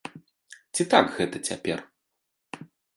Ці так гэта цяпер?